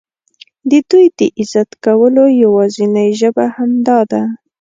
د دوی د عزت کولو یوازینۍ ژبه همدا ده.